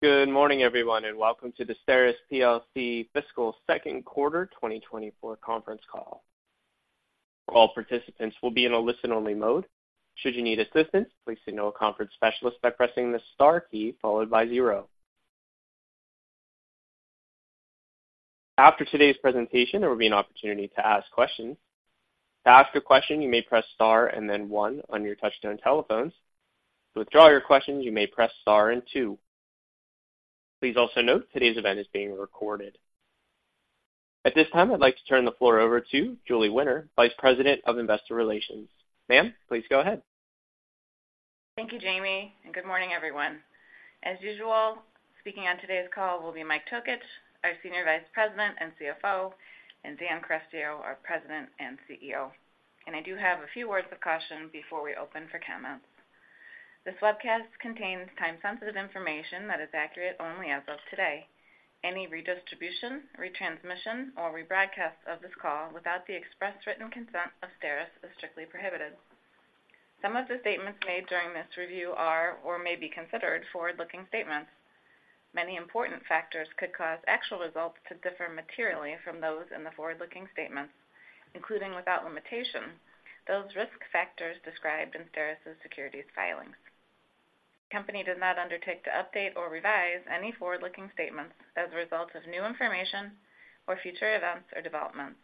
Good morning, everyone, and welcome to the STERIS plc Fiscal Q2 2024 Conference Call. All participants will be in a listen-only mode. Should you need assistance, please signal a conference specialist by pressing the Star key followed by zero. After today's presentation, there will be an opportunity to ask questions. To ask a question, you may press Star and then one on your touch-tone telephones. To withdraw your question, you may press Star and two. Please also note today's event is being recorded. At this time, I'd like to turn the floor over to Julie Winter, Vice President of Investor Relations. Ma'am, please go ahead. Thank you, Jamie, and good morning, everyone. As usual, speaking on today's call will be Mike Tokich, our Senior Vice President and CFO, and Dan Carestio, our President and CEO. I do have a few words of caution before we open for comments. This webcast contains time-sensitive information that is accurate only as of today. Any redistribution, retransmission, or rebroadcast of this call without the express written consent of STERIS is strictly prohibited. Some of the statements made during this review are or may be considered forward-looking statements. Many important factors could cause actual results to differ materially from those in the forward-looking statements, including, without limitation, those risk factors described in STERIS's securities filings. The company does not undertake to update or revise any forward-looking statements as a result of new information or future events or developments.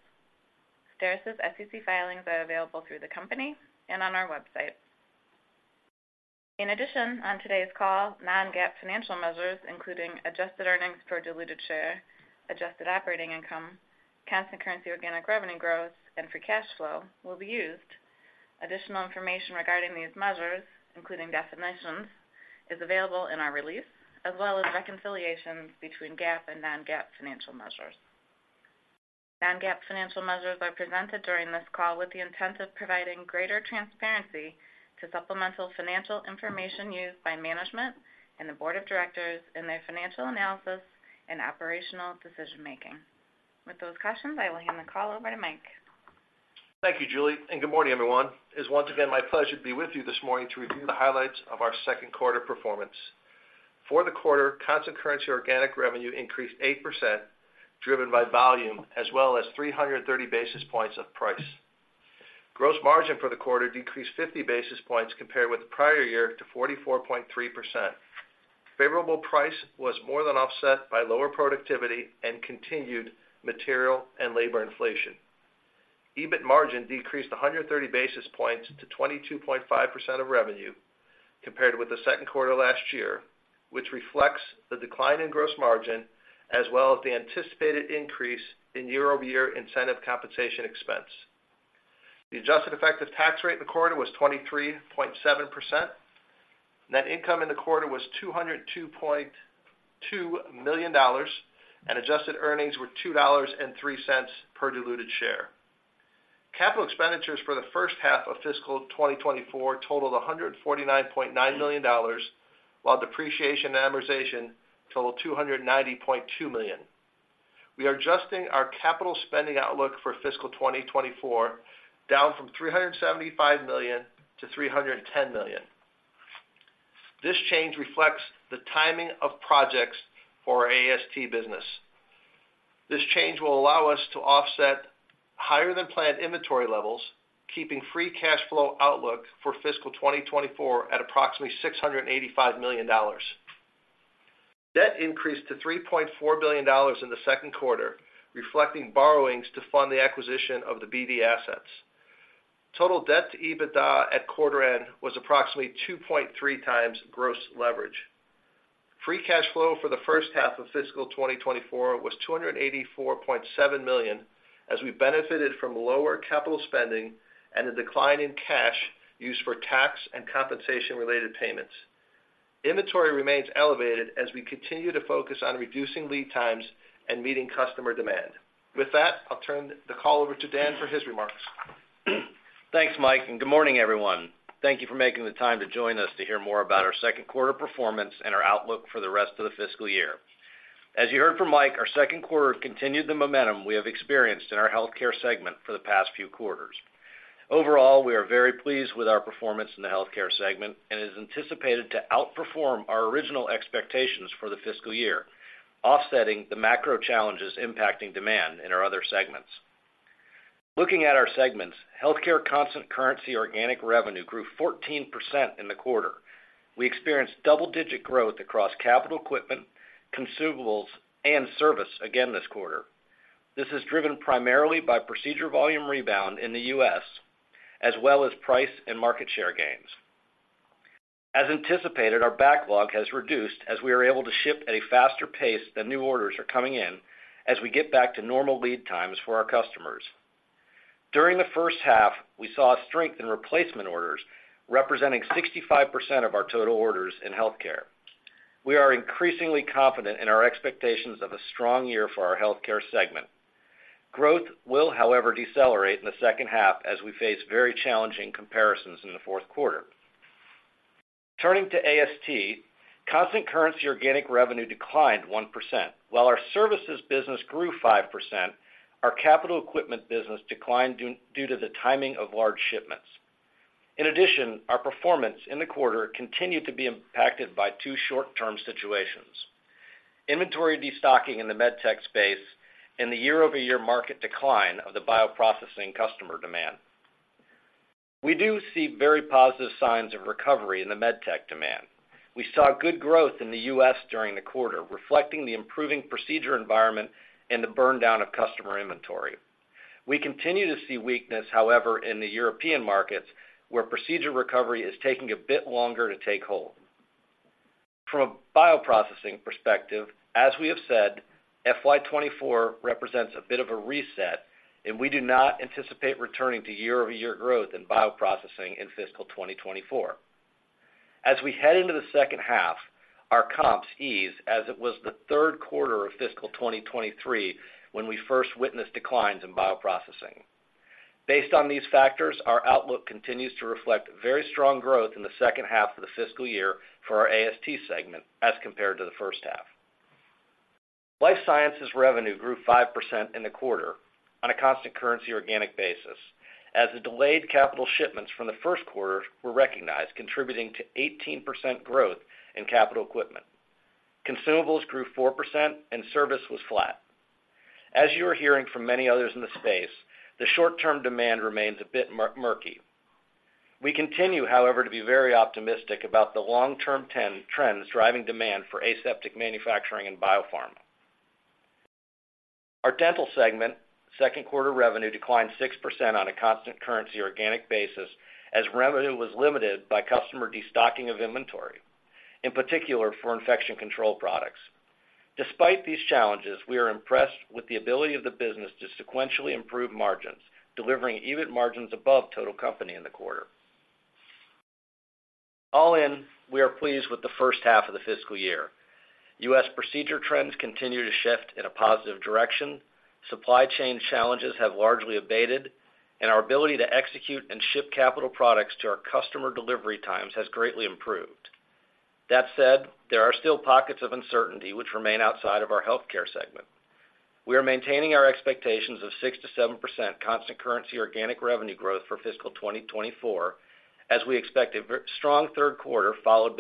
STERIS's SEC filings are available through the company and on our website. In addition, on today's call, non-GAAP financial measures, including adjusted earnings per diluted share, adjusted operating income, constant currency organic revenue growth, and free cash flow, will be used. Additional information regarding these measures, including definitions, is available in our release, as well as reconciliations between GAAP and non-GAAP financial measures. Non-GAAP financial measures are presented during this call with the intent of providing greater transparency to supplemental financial information used by management and the board of directors in their financial analysis and operational decision making. With those cautions, I will hand the call over to Mike. Thank you, Julie, and good morning, everyone. It's once again my pleasure to be with you this morning to review the highlights of our Q2 performance. For the quarter, constant currency organic revenue increased 8%, driven by volume as well as 330 basis points of price. Gross margin for the quarter decreased 50 basis points compared with the prior year to 44.3%. Favorable price was more than offset by lower productivity and continued material and labor inflation. EBIT margin decreased 130 basis points to 22.5% of revenue compared with the Q2 last year, which reflects the decline in gross margin, as well as the anticipated increase in year-over-year incentive compensation expense. The adjusted effective tax rate in the quarter was 23.7%. Net income in the quarter was $202.2 million, and adjusted earnings were $2.03 per diluted share. Capital expenditures for the first half of fiscal 2024 totaled $149.9 million, while depreciation and amortization totaled $290.2 million. We are adjusting our capital spending outlook for fiscal 2024, down from $375 million to $310 million. This change reflects the timing of projects for our AST business. This change will allow us to offset higher than planned inventory levels, keeping free cash flow outlook for fiscal 2024 at approximately $685 million. Debt increased to $3.4 billion in the Q2, reflecting borrowings to fund the acquisition of the BD assets. Total debt to EBITDA at quarter end was approximately 2.3 times gross leverage. Free cash flow for the first half of fiscal 2024 was $284.7 million, as we benefited from lower capital spending and a decline in cash used for tax and compensation-related payments. Inventory remains elevated as we continue to focus on reducing lead times and meeting customer demand. With that, I'll turn the call over to Dan for his remarks. Thanks, Mike, and good morning, everyone. Thank you for making the time to join us to hear more about our Q2 performance and our outlook for the rest of the fiscal year. As you heard from Mike, our Q2 continued the momentum we have experienced in our healthcare segment for the past few quarters. Overall, we are very pleased with our performance in the healthcare segment and is anticipated to outperform our original expectations for the fiscal year, offsetting the macro challenges impacting demand in our other segments. Looking at our segments, healthcare constant currency organic revenue grew 14% in the quarter. We experienced double-digit growth across capital equipment, consumables, and service again this quarter. This is driven primarily by procedure volume rebound in the U.S., as well as price and market share gains. As anticipated, our backlog has reduced as we are able to ship at a faster pace than new orders are coming in as we get back to normal lead times for our customers. During the first half, we saw a strength in replacement orders, representing 65% of our total orders in healthcare. We are increasingly confident in our expectations of a strong year for our healthcare segment. Growth will, however, decelerate in the second half as we face very challenging comparisons in the Q4. Turning to AST, constant currency organic revenue declined 1%. While our services business grew 5%, our capital equipment business declined due to the timing of large shipments. In addition, our performance in the quarter continued to be impacted by two short-term situations: inventory destocking in the medtech space and the year-over-year market decline of the bioprocessing customer demand. We do see very positive signs of recovery in the medtech demand. We saw good growth in the U.S. during the quarter, reflecting the improving procedure environment and the burn down of customer inventory. We continue to see weakness, however, in the European markets, where procedure recovery is taking a bit longer to take hold. From a bioprocessing perspective, as we have said, FY 2024 represents a bit of a reset, and we do not anticipate returning to year-over-year growth in bioprocessing in fiscal 2024. As we head into the second half, our comps ease as it was the Q3 of fiscal 2023 when we first witnessed declines in bioprocessing. Based on these factors, our outlook continues to reflect very strong growth in the second half of the fiscal year for our AST segment as compared to the first half. Life Sciences revenue grew 5% in the quarter on a constant currency organic basis, as the delayed capital shipments from the first quarter were recognized, contributing to 18% growth in capital equipment. Consumables grew 4%, and service was flat. As you are hearing from many others in the space, the short-term demand remains a bit murky. We continue, however, to be very optimistic about the long-term trends driving demand for aseptic manufacturing and biopharma. Our Dental segment, Q2 revenue declined 6% on a constant currency organic basis, as revenue was limited by customer destocking of inventory, in particular for infection control products. Despite these challenges, we are impressed with the ability of the business to sequentially improve margins, delivering EBIT margins above total company in the quarter. All in, we are pleased with the first half of the fiscal year. U.S. procedure trends continue to shift in a positive direction, supply chain challenges have largely abated, and our ability to execute and ship capital products to our customer delivery times has greatly improved. That said, there are still pockets of uncertainty which remain outside of our healthcare segment. We are maintaining our expectations of 6%-7% constant currency organic revenue growth for fiscal 2024, as we expect a very strong Q3, followed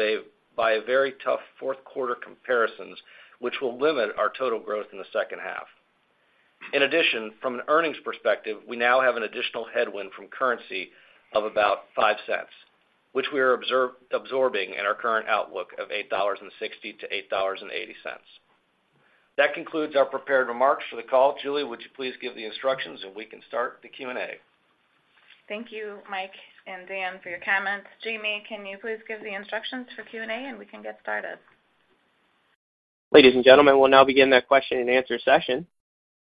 by a very tough Q4 comparisons, which will limit our total growth in the second half. In addition, from an earnings perspective, we now have an additional headwind from currency of about $0.05, which we are absorbing in our current outlook of $8.60-$8.80. That concludes our prepared remarks for the call. Julie, would you please give the instructions, and we can start the Q&A? Thank you, Mike and Dan, for your comments. Jamie, can you please give the instructions for Q&A, and we can get started? Ladies and gentlemen, we'll now begin the question-and-answer session.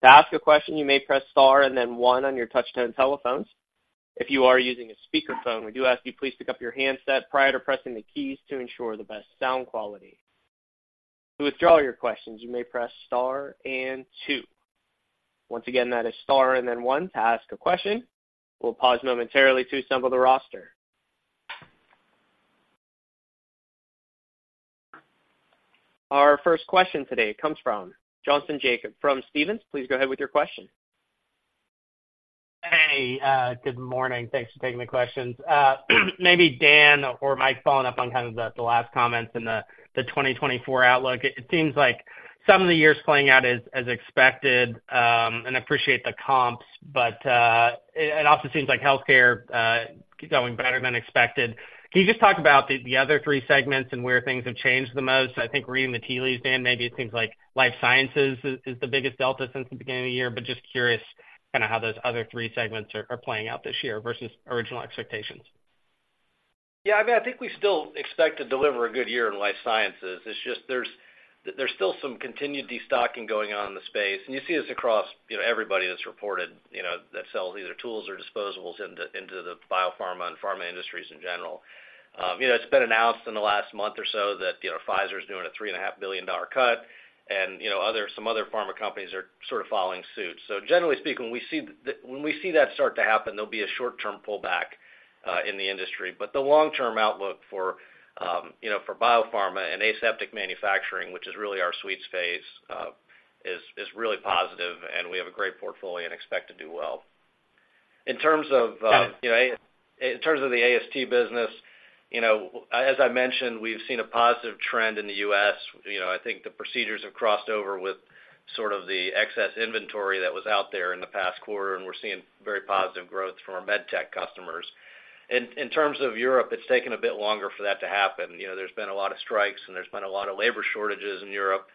To ask a question, you may press star and then one on your touchtone telephones. If you are using a speakerphone, we do ask you please pick up your handset prior to pressing the keys to ensure the best sound quality. To withdraw your questions, you may press star and two. Once again, that is star and then one to ask a question. We'll pause momentarily to assemble the roster. Our first question today comes from Jason Jacob from Stephens. Please go ahead with your question. Hey, good morning. Thanks for taking the questions. Maybe Dan or Mike, following up on kind of the last comments in the 2024 outlook, it seems like some of the year is playing out as expected, and appreciate the comps, but it also seems like healthcare going better than expected. Can you just talk about the other three segments and where things have changed the most? I think reading the tea leaves, Dan, maybe it seems like Life Sciences is the biggest delta since the beginning of the year, but just curious kind of how those other three segments are playing out this year versus original expectations. Yeah, I mean, I think we still expect to deliver a good year in Life Sciences. It's just there's still some continued destocking going on in the space, and you see this across, you know, everybody that's reported, you know, that sells either tools or disposables into the biopharma and pharma industries in general. You know, it's been announced in the last month or so that, you know, Pfizer is doing a $3.5 billion cut, and, you know, some other pharma companies are sort of following suit. So generally speaking, when we see that start to happen, there'll be a short-term pullback in the industry. But the long-term outlook for, you know, for biopharma and aseptic manufacturing, which is really our sweet space, is, is really positive, and we have a great portfolio and expect to do well. In terms of, you know, in terms of the AST business, you know, as I mentioned, we've seen a positive trend in the U.S. You know, I think the procedures have crossed over with sort of the excess inventory that was out there in the past quarter, and we're seeing very positive growth from our medtech customers. In terms of Europe, it's taken a bit longer for that to happen. You know, there's been a lot of strikes, and there's been a lot of labor shortages in Europe,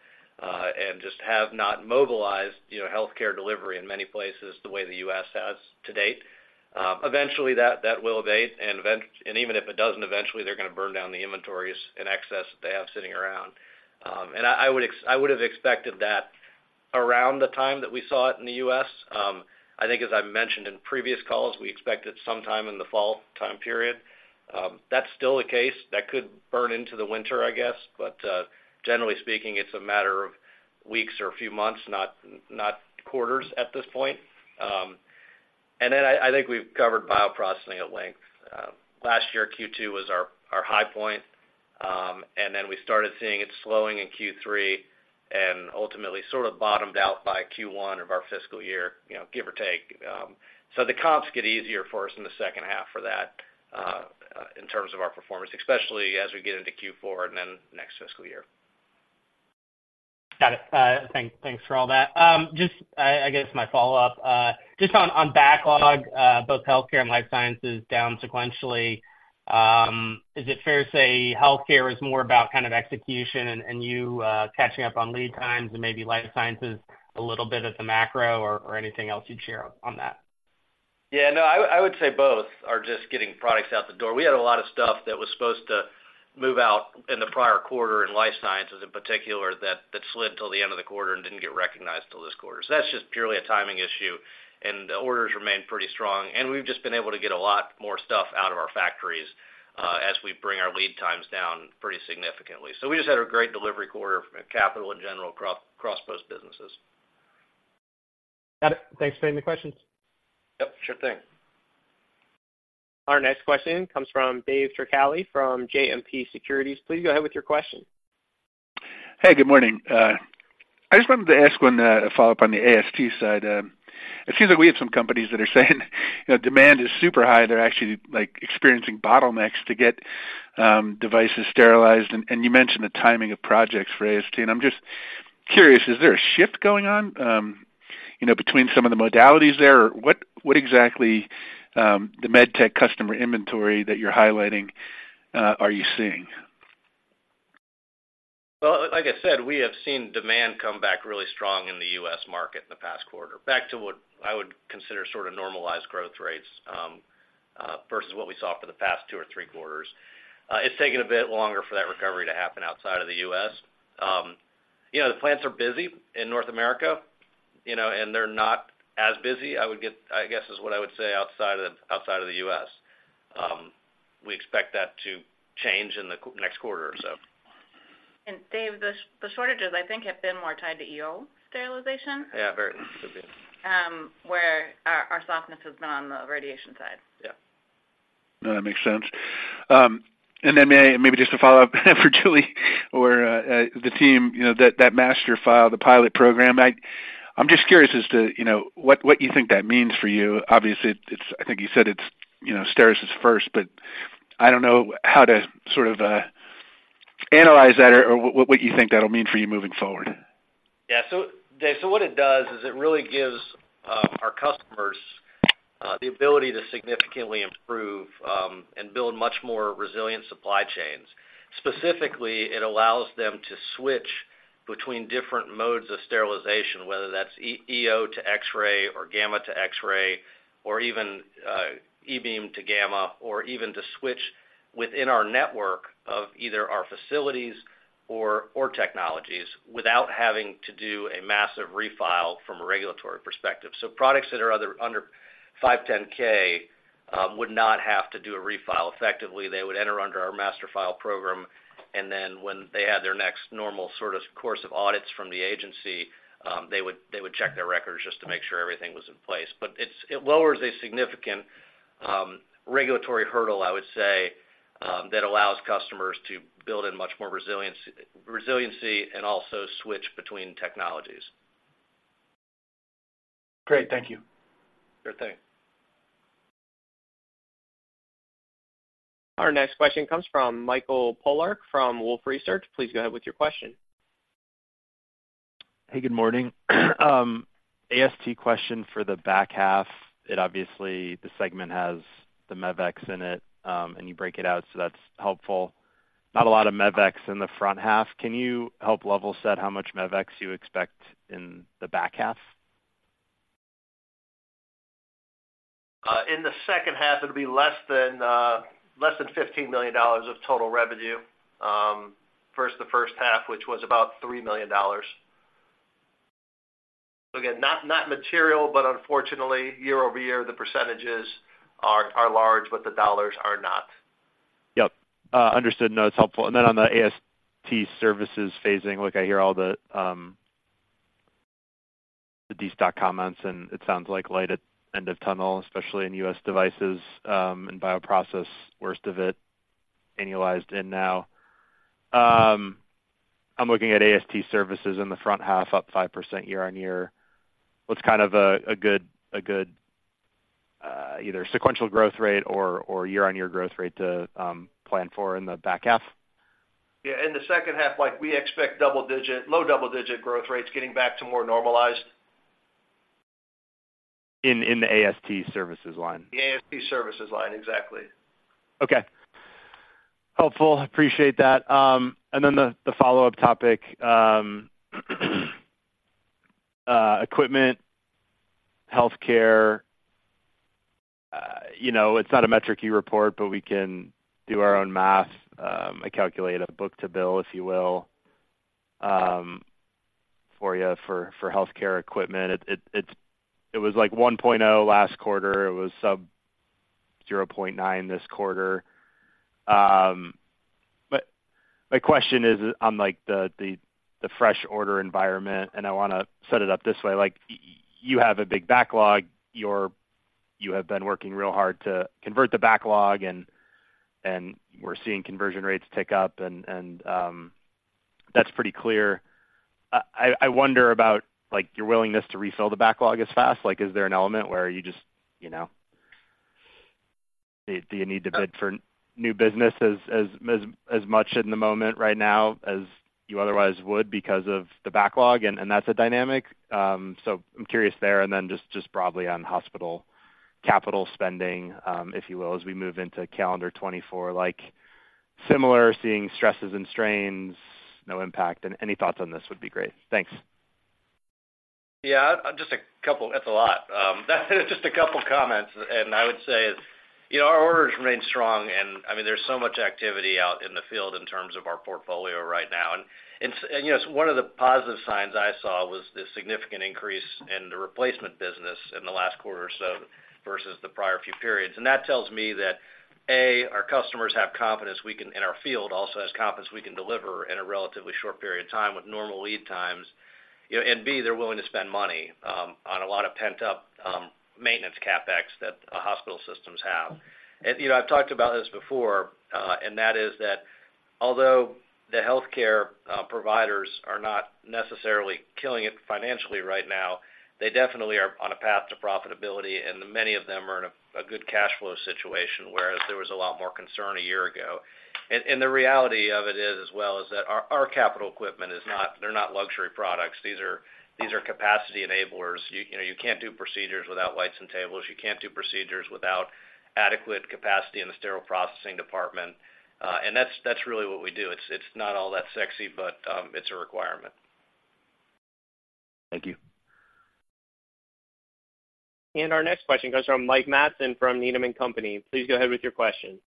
and just have not mobilized, you know, healthcare delivery in many places the way the U.S. has to date. Eventually, that will abate, and even if it doesn't, eventually they're going to burn down the inventories and excess that they have sitting around. And I would have expected that around the time that we saw it in the U.S. I think as I've mentioned in previous calls, we expect it sometime in the fall time period. That's still the case. That could burn into the winter, I guess. But generally speaking, it's a matter of weeks or a few months, not quarters at this point. And then I think we've covered bioprocessing at length. Last year, Q2 was our high point. And then we started seeing it slowing in Q3 and ultimately sort of bottomed out by Q1 of our fiscal year, you know, give or take. So the comps get easier for us in the second half for that, in terms of our performance, especially as we get into Q4 and then next fiscal year. Got it. Thanks for all that. Just, I guess my follow-up, just on backlog, both healthcare and life sciences down sequentially, is it fair to say healthcare is more about kind of execution and you catching up on lead times and maybe life sciences a little bit at the macro or anything else you'd share on that? Yeah, no, I would, I would say both are just getting products out the door. We had a lot of stuff that was supposed to move out in the prior quarter in life sciences, in particular, that, that slid till the end of the quarter and didn't get recognized till this quarter. So that's just purely a timing issue, and the orders remain pretty strong, and we've just been able to get a lot more stuff out of our factories, as we bring our lead times down pretty significantly. So we just had a great delivery quarter of capital in general, cross those businesses. Got it. Thanks for taking the questions. Yep, sure thing. Our next question comes from Dave Turkaly from JMP Securities. Please go ahead with your question. Hey, good morning. I just wanted to ask one follow-up on the AST side. It seems like we have some companies that are saying, you know, demand is super high. They're actually, like, experiencing bottlenecks to get devices sterilized. And you mentioned the timing of projects for AST, and I'm just curious, is there a shift going on, you know, between some of the modalities there? What exactly the medtech customer inventory that you're highlighting are you seeing? Well, like I said, we have seen demand come back really strong in the U.S. market in the past quarter, back to what I would consider sort of normalized growth rates, versus what we saw for the past two or three quarters. It's taken a bit longer for that recovery to happen outside of the U.S. You know, the plants are busy in North America, you know, and they're not as busy. I guess is what I would say, outside of, outside of the U.S. We expect that to change in the next quarter or so. Dave, the shortages, I think, have been more tied to EO sterilization. Yeah, very. Where our softness has been on the radiation side. Yeah. No, that makes sense. And then maybe just to follow up for Julie or the team, you know, that master file, the pilot program. I'm just curious as to, you know, what you think that means for you. Obviously, it's, I think you said it's, you know, STERIS is first, but I don't know how to sort of analyze that or what you think that'll mean for you moving forward. Yeah. So Dave, so what it does is it really gives our customers the ability to significantly improve and build much more resilient supply chains. Specifically, it allows them to switch between different modes of sterilization, whether that's EO to X-ray, or gamma to X-ray, or even E-beam to gamma, or even to switch within our network of either our facilities or technologies without having to do a massive refile from a regulatory perspective. So products that are under 510(k) would not have to do a refile. Effectively, they would enter under our master file program, and then when they had their next normal sort of course of audits from the agency, they would check their records just to make sure everything was in place. But it lowers a significant regulatory hurdle, I would say, that allows customers to build in much more resiliency and also switch between technologies. Great. Thank you. Sure thing. Our next question comes from Michael Polark from Wolfe Research. Please go ahead with your question. Hey, good morning. AST question for the back half. It obviously, the segment has the Mevex in it, and you break it out, so that's helpful. Not a lot of Mevex in the front half. Can you help level set how much Mevex you expect in the back half? In the second half, it'll be less than $15 million of total revenue, the first half, which was about $3 million. So again, not material, but unfortunately, year-over-year, the percentages are large, but the dollars are not. Yep, understood. No, it's helpful. And then on the AST services phasing, look, I hear all the destocking comments, and it sounds like light at end of tunnel, especially in U.S. devices, and bioprocessing, worst of it annualized in now. I'm looking at AST services in the front half, up 5% year-on-year. What's kind of a good either sequential growth rate or year-on-year growth rate to plan for in the back half? Yeah, in the second half, like, we expect double-digit, low double-digit growth rates getting back to more normalized. In the AST services line? The AST services line, exactly. Okay. Helpful. Appreciate that. And then the follow-up topic, equipment, healthcare, you know, it's not a metric you report, but we can do our own math. I calculate a book to bill, if you will, for you, for healthcare equipment. It was like 1.0 last quarter. It was sub 0.9 this quarter. But my question is on, like, the fresh order environment, and I want to set it up this way. Like, you have a big backlog. You have been working real hard to convert the backlog, and we're seeing conversion rates tick up, and that's pretty clear. I wonder about, like, your willingness to refill the backlog as fast. Like, is there an element where you just, you know, do you need to bid for new business as much in the moment right now as you otherwise would because of the backlog, and that's a dynamic? So I'm curious there, and then just broadly on hospital capital spending, if you will, as we move into calendar 2024. Like, similar, seeing stresses and strains, no impact, and any thoughts on this would be great. Thanks. Yeah, just a couple-- That's a lot. Just a couple comments, and I would say is, you know, our orders remain strong, and, I mean, there's so much activity out in the field in terms of our portfolio right now. And you know, one of the positive signs I saw was the significant increase in the replacement business in the last quarter or so, versus the prior few periods. And that tells me that, A, our customers have confidence we can, in our field, also has confidence we can deliver in a relatively short period of time with normal lead times. You know, and B, they're willing to spend money on a lot of pent-up maintenance CapEx that our hospital systems have. You know, I've talked about this before, and that is that although the healthcare providers are not necessarily killing it financially right now, they definitely are on a path to profitability, and many of them are in a good cash flow situation, whereas there was a lot more concern a year ago. The reality of it is, as well, is that our capital equipment is not. They're not luxury products. These are capacity enablers. You know, you can't do procedures without lights and tables. You can't do procedures without adequate capacity in the sterile processing department. And that's really what we do. It's not all that sexy, but it's a requirement. Thank you. Our next question comes from Mike Matson from Needham and Company. Please go ahead with your question.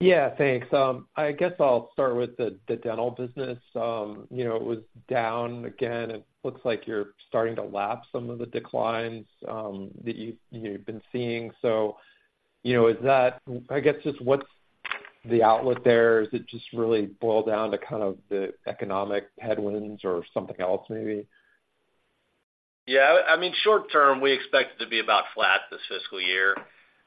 Yeah, thanks. I guess I'll start with the dental business. You know, it was down again, and it looks like you're starting to lap some of the declines that you've been seeing. So, you know, is that- I guess, just what's the outlook there? Does it just really boil down to kind of the economic headwinds or something else maybe? Yeah, I mean, short term, we expect it to be about flat this fiscal year.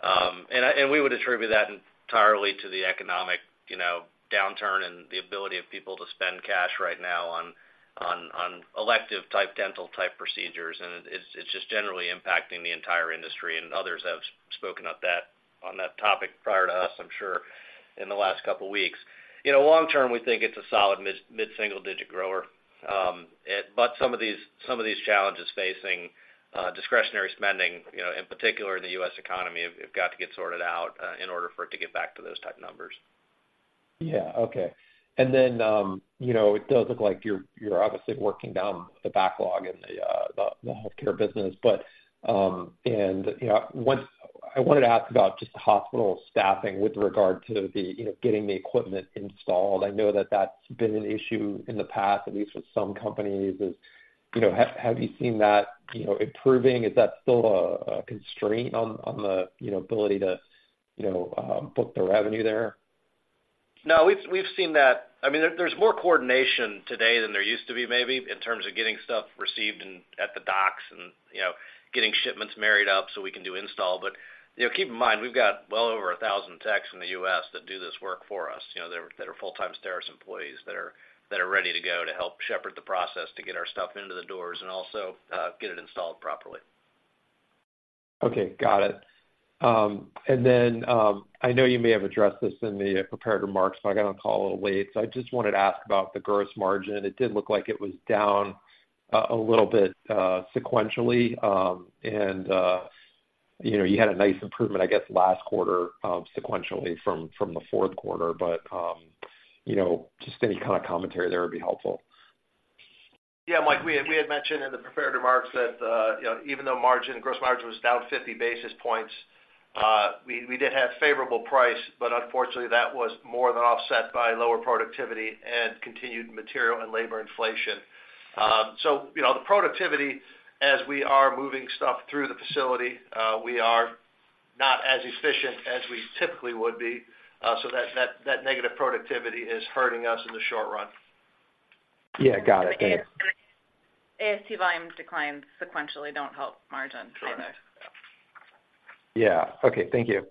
And we would attribute that entirely to the economic, you know, downturn and the ability of people to spend cash right now on, on, on elective-type, dental-type procedures. And it's just generally impacting the entire industry, and others have spoken up on that topic prior to us, I'm sure, in the last couple weeks. You know, long term, we think it's a solid mid-single-digit grower. But some of these, some of these challenges facing, discretionary spending, you know, in particular in the U.S. economy, have got to get sorted out, in order for it to get back to those type numbers. Yeah, okay. And then, you know, it does look like you're obviously working down the backlog in the healthcare business, but, and, you know, I wanted to ask about just the hospital staffing with regard to the, you know, getting the equipment installed. I know that that's been an issue in the past, at least with some companies. Is, you know, have you seen that, you know, improving? Is that still a constraint on the, you know, ability to, you know, book the revenue there? No, we've seen that. I mean, there's more coordination today than there used to be, maybe, in terms of getting stuff received and at the docks and, you know, getting shipments married up so we can do install. But, you know, keep in mind, we've got well over 1,000 techs in the U.S. that do this work for us, you know, that are full-time STERIS employees, that are ready to go to help shepherd the process to get our stuff into the doors and also get it installed properly. Okay, got it. And then, I know you may have addressed this in the prepared remarks, so I got on the call a little late. So I just wanted to ask about the gross margin. It did look like it was down a little bit sequentially. And, you know, you had a nice improvement, I guess, last quarter sequentially from the Q4. But, you know, just any kind of commentary there would be helpful. Yeah, Mike, we had mentioned in the prepared remarks that, you know, even though margin, gross margin was down 50 basis points, we did have favorable price, but unfortunately, that was more than offset by lower productivity and continued material and labor inflation. So, you know, the productivity as we are moving stuff through the facility, we are not as efficient as we typically would be. So that negative productivity is hurting us in the short run. Yeah, got it. Thank you. AST volumes declines sequentially don't help margin either. Yeah. Okay, thank you.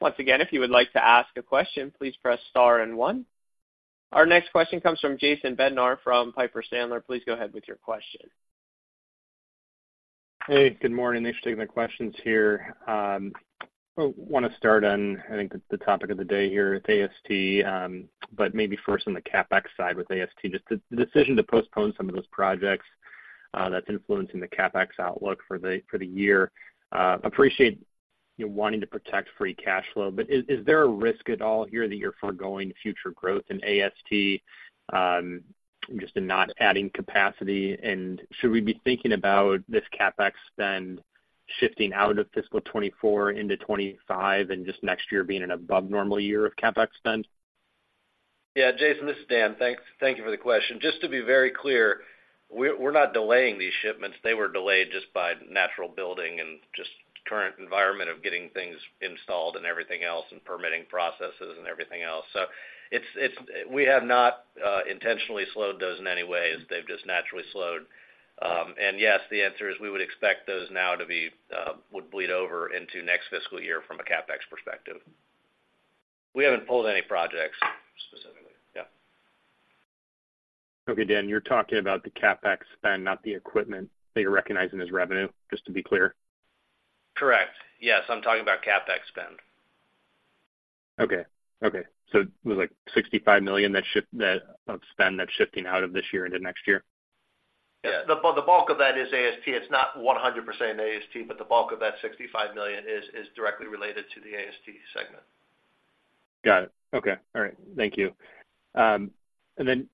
Once again, if you would like to ask a question, please press Star and One. Our next question comes from Jason Bednar from Piper Sandler. Please go ahead with your question. Hey, good morning. Thanks for taking the questions here. I want to start on, I think, the topic of the day here with AST, but maybe first on the CapEx side with AST. Just the decision to postpone some of those projects, that's influencing the CapEx outlook for the year. Appreciate you wanting to protect free cash flow, but is there a risk at all here that you're foregoing future growth in AST, just in not adding capacity? And should we be thinking about this CapEx spend shifting out of fiscal 2024 into 2025, and just next year being an above normal year of CapEx spend? Yeah, Jason, this is Dan. Thanks. Thank you for the question. Just to be very clear, we're not delaying these shipments. They were delayed just by natural building and current environment of getting things installed and everything else, and permitting processes and everything else. So it's we have not intentionally slowed those in any way. They've just naturally slowed. And yes, the answer is we would expect those now to be would bleed over into next fiscal year from a CapEx perspective. We haven't pulled any projects specifically. Yeah. Okay, Dan, you're talking about the CapEx spend, not the equipment that you're recognizing as revenue, just to be clear? Correct. Yes, I'm talking about CapEx spend. Okay. Okay, so it was, like, $65 million that shift, that, of spend that's shifting out of this year into next year? Yeah, the bulk of that is AST. It's not 100% AST, but the bulk of that $65 million is directly related to the AST segment. Got it. Okay. All right. Thank you. And then,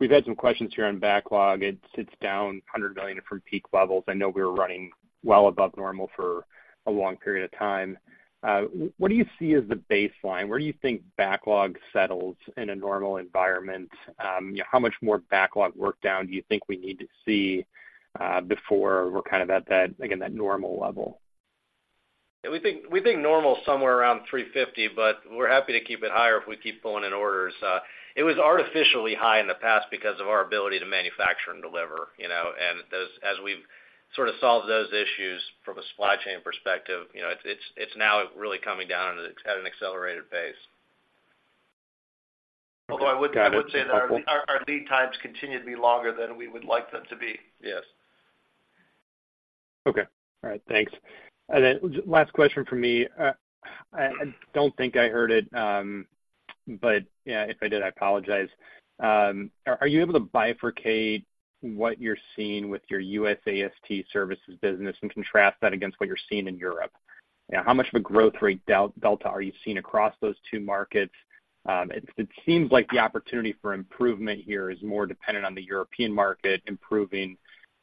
we've had some questions here on backlog. It's down $100 million from peak levels. I know we were running well above normal for a long period of time. What do you see as the baseline? Where do you think backlog settles in a normal environment? You know, how much more backlog work down do you think we need to see before we're kind of at that, again, that normal level? We think normal is somewhere around 350, but we're happy to keep it higher if we keep pulling in orders. It was artificially high in the past because of our ability to manufacture and deliver, you know, and as we've sort of solved those issues from a supply chain perspective, you know, it's now really coming down at an accelerated pace. Got it. Although I would say that our lead times continue to be longer than we would like them to be. Yes. Okay. All right. Thanks. Then last question from me. I don't think I heard it, but yeah, if I did, I apologize. Are you able to bifurcate what you're seeing with your U.S. AST services business and contrast that against what you're seeing in Europe? You know, how much of a growth rate delta are you seeing across those two markets? It seems like the opportunity for improvement here is more dependent on the European market improving.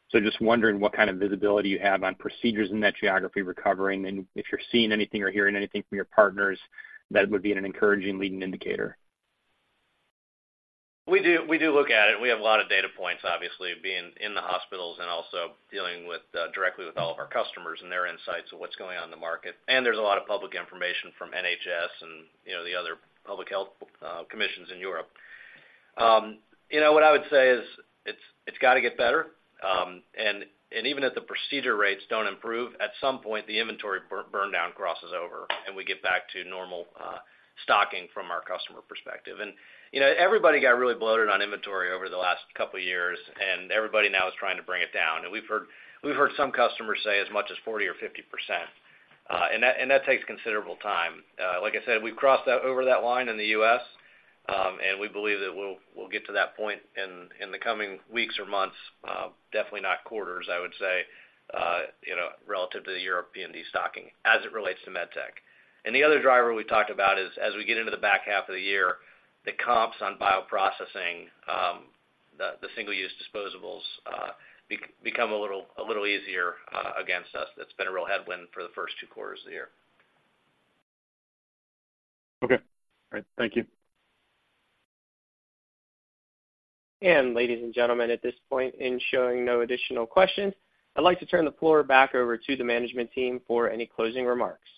So just wondering what kind of visibility you have on procedures in that geography recovering, and if you're seeing anything or hearing anything from your partners that would be an encouraging leading indicator. We do, we do look at it. We have a lot of data points, obviously, being in the hospitals and also dealing with directly with all of our customers and their insights on what's going on in the market. And there's a lot of public information from NHS and, you know, the other public health commissions in Europe. You know, what I would say is, it's got to get better, and even if the procedure rates don't improve, at some point, the inventory burn down crosses over, and we get back to normal stocking from our customer perspective. And, you know, everybody got really bloated on inventory over the last couple of years, and everybody now is trying to bring it down. We've heard some customers say as much as 40% or 50%, and that takes considerable time. Like I said, we've crossed over that line in the US, and we believe that we'll get to that point in the coming weeks or months, definitely not quarters, I would say, you know, relative to the European destocking as it relates to medtech. And the other driver we talked about is, as we get into the back half of the year, the comps on bioprocessing, the single-use disposables, become a little easier against us. That's been a real headwind for the first two quarters of the year. Okay. All right. Thank you. Ladies and gentlemen, at this point, in showing no additional questions, I'd like to turn the floor back over to the management team for any closing remarks.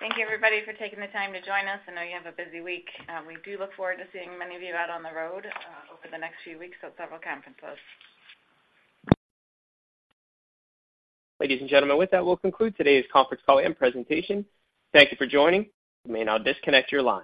Thank you, everybody, for taking the time to join us. I know you have a busy week. We do look forward to seeing many of you out on the road, over the next few weeks at several conferences. Ladies and gentlemen, with that, we'll conclude today's conference call and presentation. Thank you for joining. You may now disconnect your line.